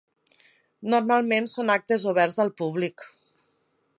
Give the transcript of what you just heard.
Normalment són actes oberts al públic.